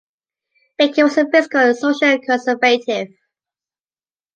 Baker was a fiscal and social conservative.